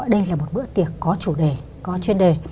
đây là một bước tiệc có chủ đề có chuyên đề